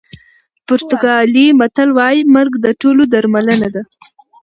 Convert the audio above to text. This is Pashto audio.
پرتګالي متل وایي مرګ د ټولو درملنه ده.